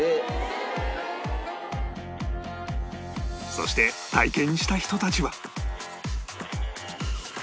そして体験した人たちは